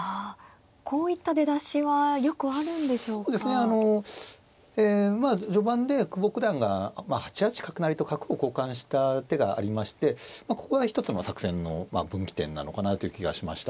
あの序盤で久保九段が８八角成と角を交換した手がありましてここは一つの作戦の分岐点なのかなという気がしました。